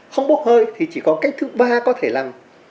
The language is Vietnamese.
không bột hơi thì chỉ có cách thứ ba có thể làm